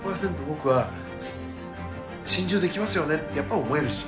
僕は心中できますよねってやっぱ思えるし。